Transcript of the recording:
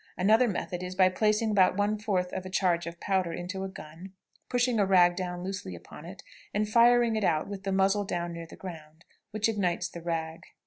Another method is by placing about one fourth of a charge of powder into a gun, pushing a rag down loosely upon it, and firing it out with the muzzle down near the ground, which ignites the rag.